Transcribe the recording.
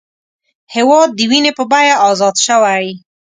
هېواد د وینې په بیه ازاد شوی